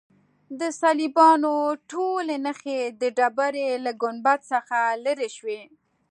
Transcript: د صلیبیانو ټولې نښې د ډبرې له ګنبد څخه لیرې شوې.